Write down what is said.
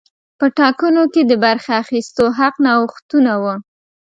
په ټاکنو کې د برخې اخیستو حق نوښتونه وو.